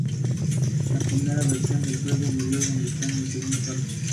Consiste en una mezcla de nitrato de amonio y un combustible derivado del petróleo.